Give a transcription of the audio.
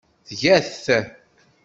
Tga-t.